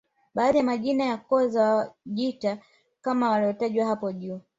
Baadhi ya majina ya koo za Wajita kama yalivyotajwa hapo juu